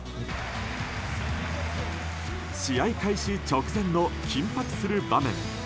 試合開始直前の緊迫する場面。